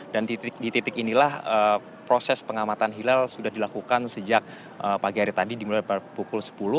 dan di titik inilah proses pengamatan hilal sudah dilakukan sejak pagi hari tadi dimulai pukul sepuluh